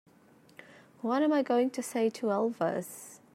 What am I going to say to Elvis?